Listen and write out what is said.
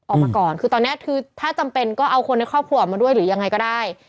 ออกมาก่อนคือตอนนี้คือถ้าจำเป็นก็เอาคนในครอบครัวออกมาด้วยหรือยังไงก็ได้